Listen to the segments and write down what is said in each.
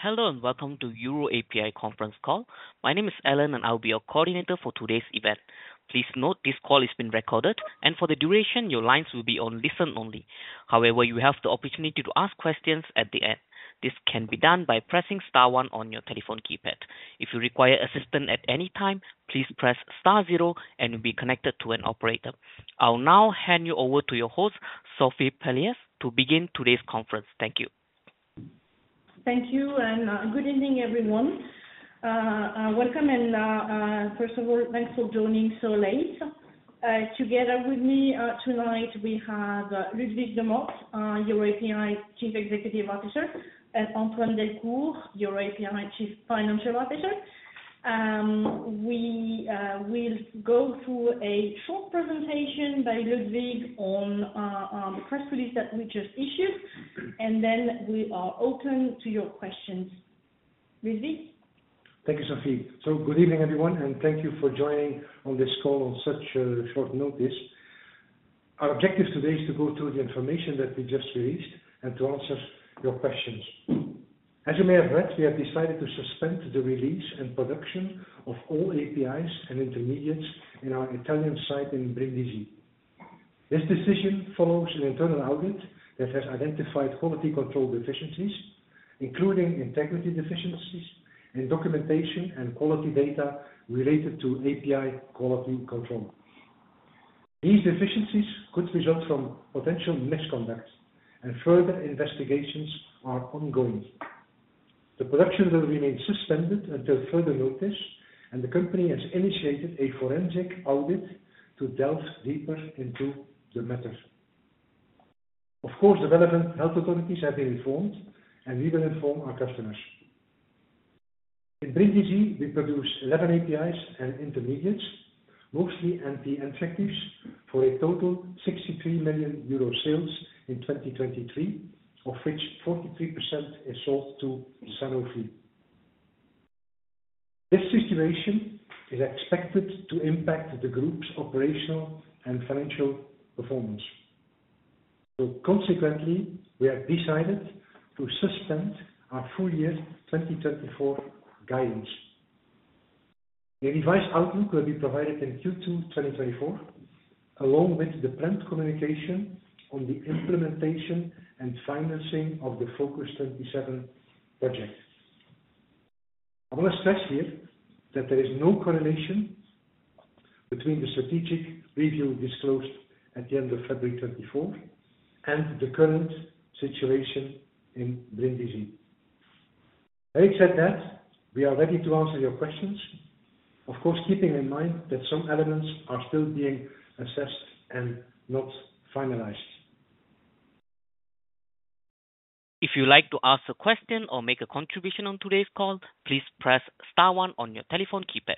Hello, and welcome to EUROAPI conference call. My name is Alan, and I'll be your coordinator for today's event. Please note, this call is being recorded, and for the duration, your lines will be on listen only. However, you have the opportunity to ask questions at the end. This can be done by pressing star one on your telephone keypad. If you require assistance at any time, please press star zero, and you'll be connected to an operator. I'll now hand you over to your host, Sophie Palliez, to begin today's conference. Thank you. Thank you, and good evening, everyone. Welcome, and first of all, thanks for joining so late. Together with me tonight, we have Ludwig de Mot, EUROAPI Chief Executive Officer, and Antoine Delcour, EUROAPI Chief Financial Officer. We will go through a short presentation by Ludwig on the press release that we just issued, and then we are open to your questions. Ludwig? Thank you, Sophie. Good evening, everyone, and thank you for joining on this call on such a short notice. Our objective today is to go through the information that we just released and to answer your questions. As you may have read, we have decided to suspend the release and production of all APIs and intermediates in our Italian site in Brindisi. This decision follows an internal audit that has identified quality control deficiencies, including integrity deficiencies in documentation and quality data related to API quality control. These deficiencies could result from potential misconduct, and further investigations are ongoing. The production will remain suspended until further notice, and the company has initiated a forensic audit to delve deeper into the matter. Of course, the relevant health authorities have been informed, and we will inform our customers. In Brindisi, we produce 11 APIs and intermediates, mostly anti-infectives, for a total 63 million euro sales in 2023, of which 43% is sold to Sanofi. This situation is expected to impact the group's operational and financial performance. So consequently, we have decided to suspend our full-year 2024 guidance. The revised outlook will be provided in Q2 2024, along with the planned communication on the implementation and financing of the FOCUS-27 project. I want to stress here that there is no correlation between the strategic review disclosed at the end of February 2024 and the current situation in Brindisi. Having said that, we are ready to answer your questions, of course, keeping in mind that some elements are still being assessed and not finalized. If you'd like to ask a question or make a contribution on today's call, please press star one on your telephone keypad.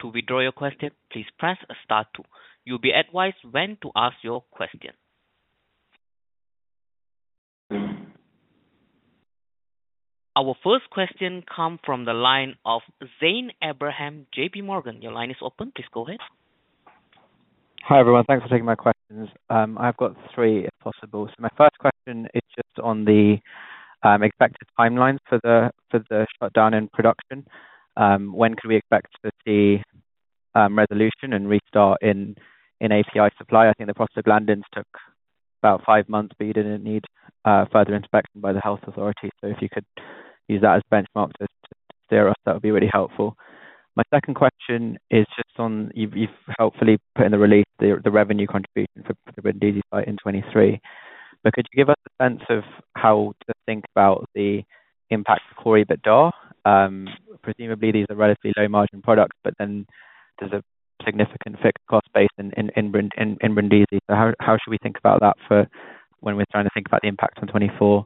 To withdraw your question, please press star two. You'll be advised when to ask your question. Our first question come from the line of Zain Ebrahim, JPMorgan. Your line is open. Please go ahead. Hi, everyone. Thanks for taking my questions. I've got three, if possible. So my first question is just on the expected timeline for the shutdown in production. When could we expect to see resolution and restart in API supply? I think the prostaglandins took about five months, but you didn't need further inspection by the health authorities. So if you could use that as benchmark to steer us, that would be really helpful. My second question is just on... You've helpfully put in the release the revenue contribution for Brindisi site in 2023. But could you give us a sense of how to think about the impact for Core EBITDA? Presumably, these are relatively low margin products, but then there's a significant fixed cost base in Brindisi. So how should we think about that for when we're trying to think about the impact on 2024?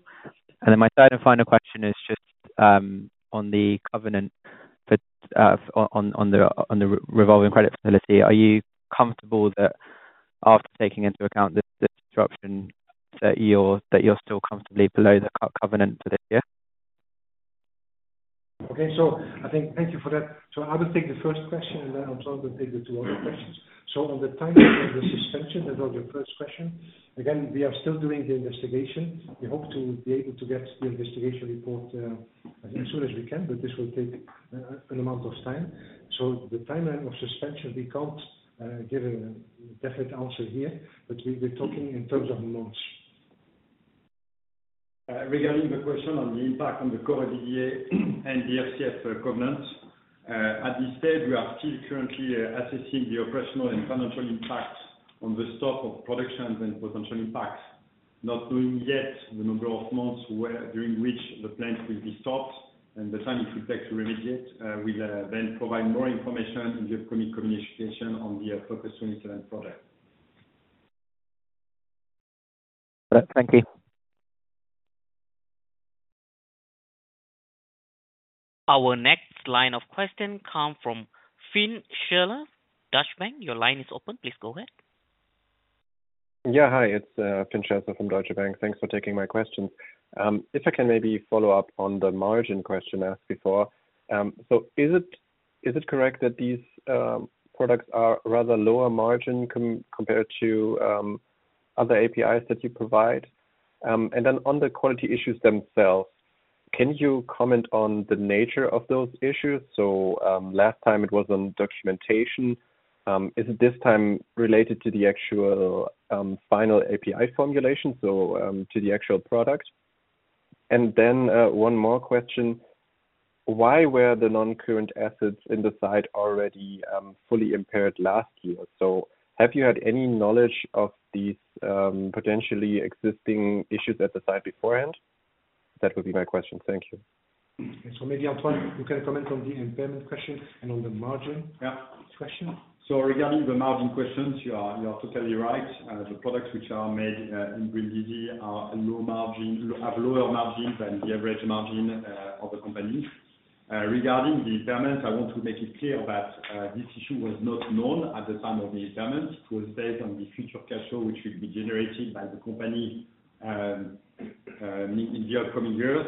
And then my third and final question is just on the covenant for the revolving credit facility. Are you comfortable that after taking into account the disruption, that you're still comfortably below the covenant for this year? Okay. So I think thank you for that. So I will take the first question, and then Antoine will take the two other questions. So on the timeline of the suspension, that was your first question, again, we are still doing the investigation. We hope to be able to get the investigation report, as soon as we can, but this will take, an amount of time. So the timeline of suspension, we can't, give a definite answer here, but we've been talking in terms of months. Regarding the question on the impact on the Core EBITDA and the FCF covenants, at this stage, we are still currently assessing the operational and financial impact on the stop of productions and potential impacts, not knowing yet the number of months during which the plant will be stopped and the time it will take to remediate. We'll then provide more information in the upcoming communication on the FOCUS-27 project. Thank you. Our next line of question come from Fynn Scherzler, Deutsche Bank. Your line is open. Please go ahead. Yeah. Hi, it's Fynn Scherzler from Deutsche Bank. Thanks for taking my questions. If I can maybe follow up on the margin question asked before. So is it, is it correct that these products are rather lower margin compared to other APIs that you provide? And then on the quality issues themselves, can you comment on the nature of those issues? So, last time it was on documentation, is it this time related to the actual, final API formulation, so, to the actual product? And then, one more question. Why were the non-current assets in the site already, fully impaired last year? So have you had any knowledge of these, potentially existing issues at the site beforehand? That would be my question. Thank you. And so maybe, Antoine, you can comment on the impairment questions and on the margin- Yeah. Question. So, regarding the margin questions, you are totally right. The products which are made in Brindisi are a low margin, have lower margins than the average margin of the company. Regarding the impairment, I want to make it clear that this issue was not known at the time of the impairment. It was based on the future cash flow, which will be generated by the company in the upcoming years,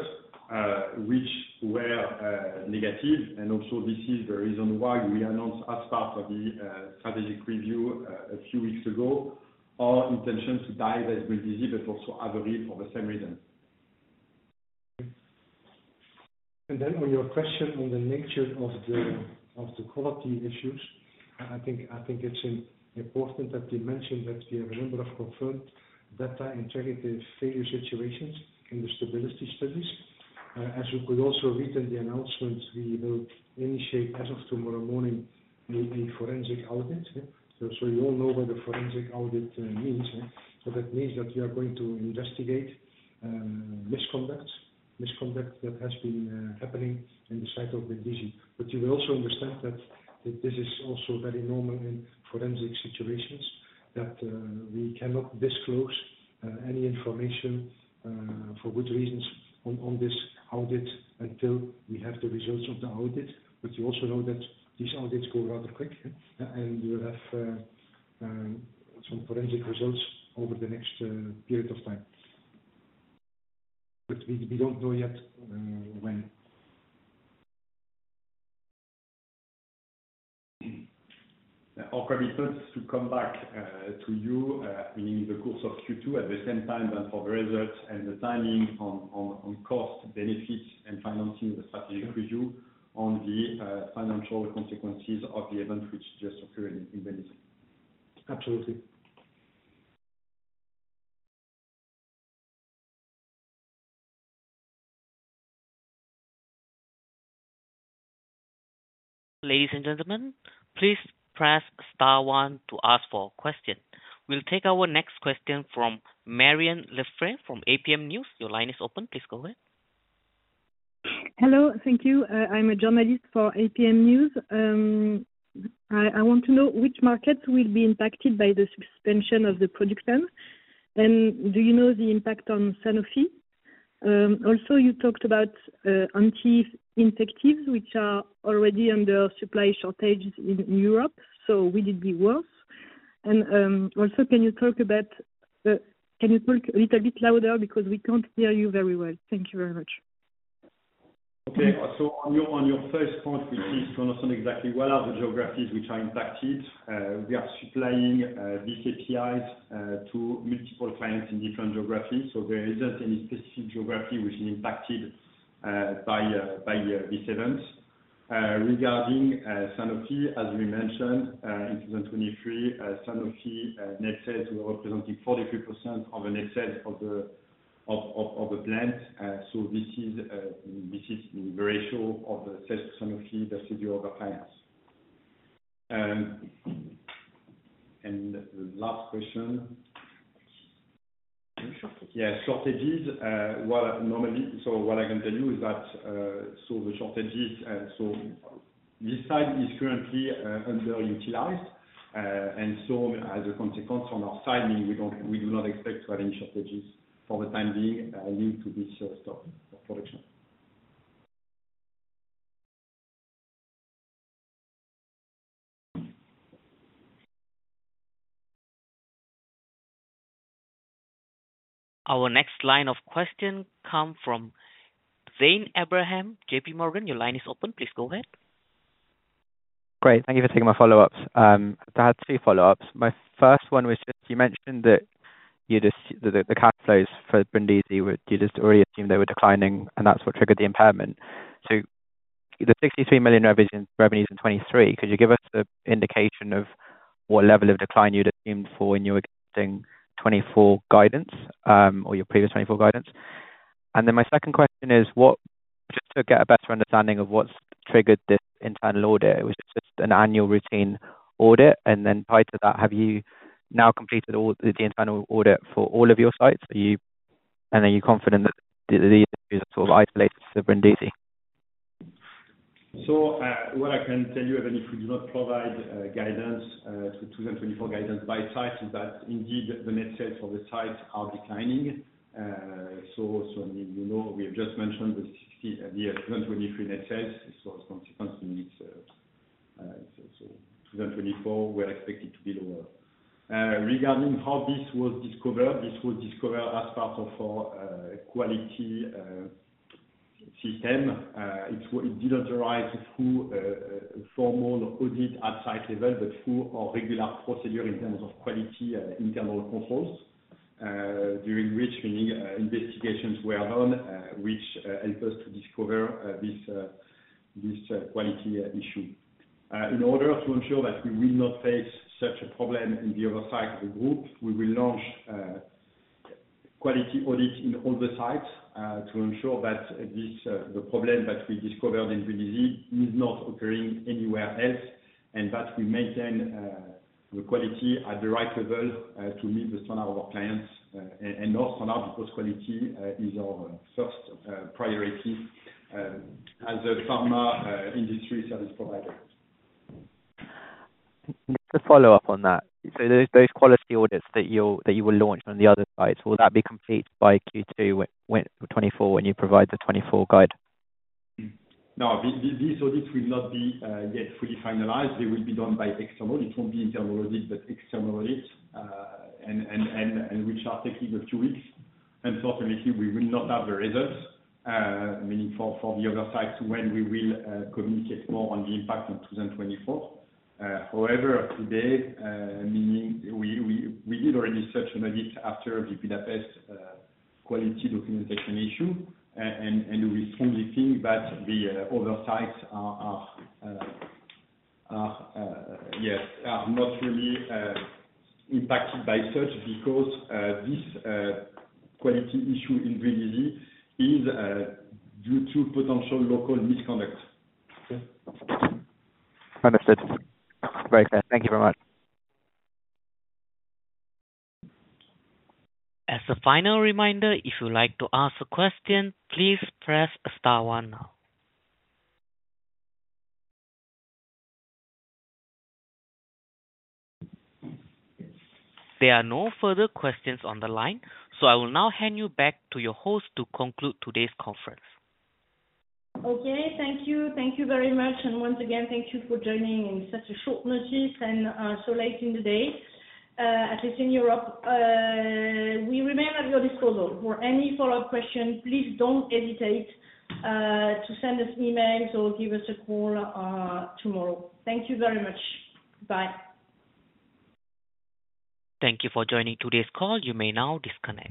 which were negative. And also, this is the reason why we announced, as part of the strategic review a few weeks ago, our intention to divest at Brindisi, but also other reason for the same reason. And then on your question on the nature of the quality issues, I think it's important that we mention that we have a number of confirmed data integrity failure situations in the stability studies. As you could also read in the announcement, we will initiate, as of tomorrow morning, a forensic audit, yeah. So you all know what a forensic audit means, yeah? So that means that we are going to investigate misconduct that has been happening in the site of Brindisi. But you will also understand that this is also very normal in forensic situations, that we cannot disclose any information for good reasons on this audit until we have the results of the audit. But you also know that these audits go rather quick, and we'll have some forensic results over the next period of time. But we don't know yet when. Our target is to come back to you in the course of Q2, at the same time, and for the results and the timing on cost, benefits, and financing the strategic review on the financial consequences of the event which just occurred in Brindisi. Absolutely. Ladies and gentlemen, please press star one to ask for question. We'll take our next question from Marion Lefebvre from APM News. Your line is open. Please go ahead. Hello. Thank you. I'm a journalist for APM News. I want to know which markets will be impacted by the suspension of the production, and do you know the impact on Sanofi? Also, you talked about anti-infectives, which are already under supply shortages in Europe, so will it be worse? And, also can you talk a little bit louder because we can't hear you very well? Thank you very much. Okay. So on your first point, which is to understand exactly what are the geographies which are impacted, we are supplying these APIs to multiple clients in different geographies, so there isn't any specific geography which is impacted by this event. Regarding Sanofi, as we mentioned, in 2023, Sanofi net sales were representing 43% of the net sales of the plant. So this is the ratio of the sales to Sanofi versus the other clients. And the last question? Shortages. Yeah, shortages. So what I can tell you is that, so the shortages, so this site is currently underutilized. And so as a consequence on our side, meaning we don't- we do not expect to have any shortages for the time being, linked to this stop of production. Our next line of question come from Zain Ebrahim, JPMorgan. Your line is open. Please go ahead. Great. Thank you for taking my follow-ups. I had two follow-ups. My first one was just you mentioned that you just, the cash flows for Brindisi were, you just already assumed they were declining, and that's what triggered the impairment. So the 63 million revision revenues in 2023, could you give us an indication of what level of decline you'd assumed for when you were giving 2024 guidance, or your previous 2024 guidance? And then my second question is what... Just to get a better understanding of what's triggered this internal audit, was this just an annual routine audit? And then prior to that, have you now completed all the internal audit for all of your sites? Are you and are you confident that these issues are sort of isolated to Brindisi? So, what I can tell you, even if we do not provide guidance to 2024 guidance by site, is that indeed, the net sales for the sites are declining. So, you know, we have just mentioned the 60, the 2023 net sales. So as a consequence, we need to, 2024 we're expected to be lower. Regarding how this was discovered, this was discovered as part of our quality system. It didn't arise through a formal audit at site level, but through our regular procedure in terms of quality and internal controls, during which many investigations were done, which helped us to discover this quality issue. In order to ensure that we will not face such a problem in the other sites of the group, we will launch quality audits in all the sites to ensure that the problem that we discovered in Brindisi is not occurring anywhere else, and that we maintain the quality at the right level to meet the standard of our clients, and also now because quality is our first priority as a pharma industry service provider. Just to follow up on that, so those quality audits that you will launch on the other sites, will that be complete by Q2, when 2024, when you provide the 2024 guide? No, these audits will not be yet fully finalized. They will be done by external. It won't be internal audit, but external audit, and which are taking a few weeks. So obviously, we will not have the results, meaning for the other sites, when we will communicate more on the impact on 2024. However, today, meaning we did already such an audit after the Budapest quality documentation issue. And we strongly think that the other sites are not really impacted by such because this quality issue in Brindisi is due to potential local misconduct. Okay? Understood. Right. Thank you very much. As a final reminder, if you'd like to ask a question, please press star one now. There are no further questions on the line, so I will now hand you back to your host to conclude today's conference. Okay. Thank you. Thank you very much, and once again, thank you for joining in such a short notice and so late in the day, at least in Europe. We remain at your disposal. For any follow-up questions, please don't hesitate to send us emails or give us a call tomorrow. Thank you very much. Bye. Thank you for joining today's call. You may now disconnect.